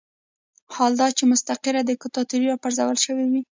حال دا چې مستقر دیکتاتور راپرځول شوی وي.